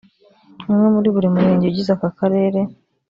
umwe muri buri murenge ugize aka Karere